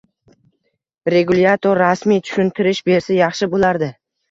Regulyator rasmiy tushuntirish bersa yaxshi bo'lardi